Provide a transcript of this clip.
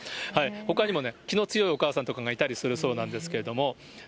ほかにも気の強いお母さんとかいたりするそうなんですけど。